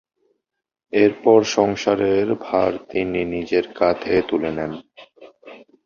এরপর সংসারের ভার তিনি নিজের কাঁধে তুলে নেন।